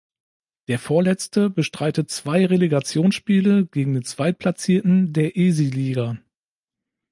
Der Vorletzte bestreitet zwei Relegationsspiele gegen den Zweitplatzierten der Esiliiga.